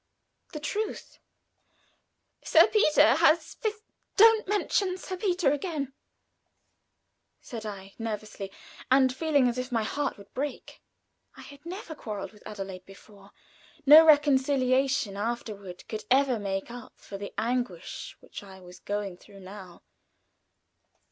"The truth." "Sir Peter has fif " "Don't mention Sir Peter to me again," said I, nervously, and feeling as if my heart would break. I had never quarreled with Adelaide before. No reconciliation afterward could ever make up for the anguish which I was going through now.